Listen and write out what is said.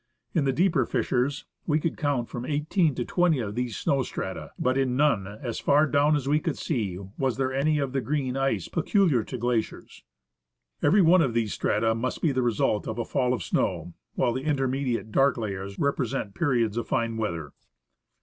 In the deeper fissures we counted from eighteen to twenty of these snow strata ; but in none, as far down as we could see, was there any of the green ice peculiar TRAVERSIXG THE SEWARD. to glaciers. Every one of these strata must be the result of a fall of snow, while the intermediate dark layers represent periods of fine weather.